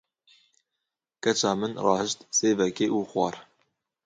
Keça min rahişt sêvekê û xwar.